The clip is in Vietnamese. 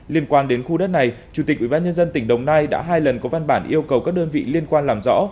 liên quan đến khu đất này chủ tịch ubnd tỉnh đồng nai đã hai lần có văn bản yêu cầu các đơn vị liên quan làm rõ